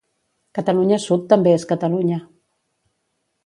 Catalunya sud també és Catalunya.